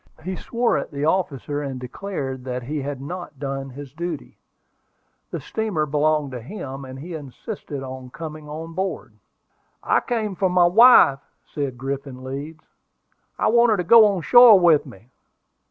He swore at the officer, and declared that he had not done his duty. The steamer belonged to him, and he insisted on coming on board. "I came off for my wife," said Griffin Leeds. "I want her to go on shore with me."